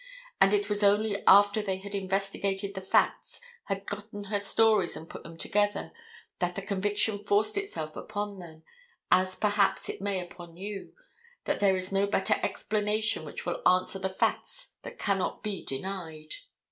And it was only after they had investigated the facts, had gotten her stories and put them together, that the conviction forced itself upon them, as perhaps it may upon you, that there is no better explanation which will answer the facts that cannot be denied.